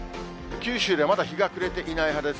九州でまだ日が暮れていないはずです。